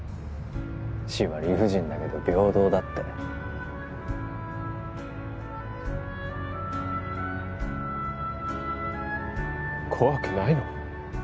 死は理不尽だけど平等だって怖くないの？